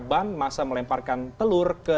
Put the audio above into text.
ban masa melemparkan telur ke